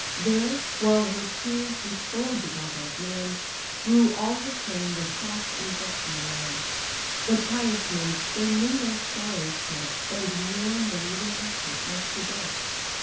There, while her tears deplored the godlike man, Through all her train the soft infection ran; The pious maids their mingled sorrows shed, And mourn the living Hector, as the dead.